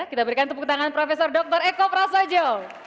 kita berikan tepuk tangan prof dr eko prasojo